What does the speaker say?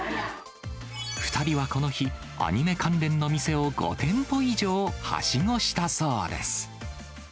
２人はこの日、アニメ関連の店を５店舗以上はしごしたそうです。